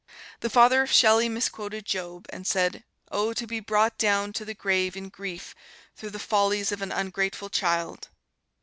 The father of Shelley misquoted Job, and said, "Oh, to be brought down to the grave in grief through the follies of an ungrateful child!"